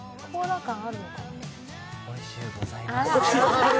おいしゅうございます。